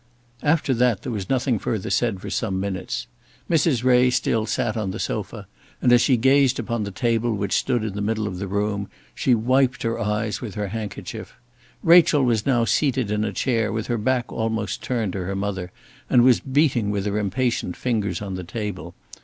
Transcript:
After that there was nothing further said for some minutes. Mrs. Ray still sat on the sofa, and as she gazed upon the table which stood in the middle of the room, she wiped her eyes with her handkerchief. Rachel was now seated in a chair with her back almost turned to her mother, and was beating with her impatient fingers on the table.